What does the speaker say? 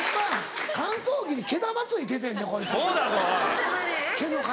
乾燥機に毛玉ついててんでこいつ毛の塊。